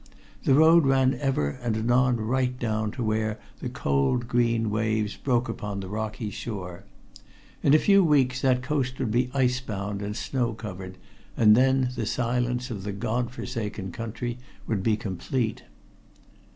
The road ran ever and anon right down to where the cold, green waves broke upon the rocky shore. In a few weeks that coast would be ice bound and snow covered, and then the silence of the God forsaken country would be complete.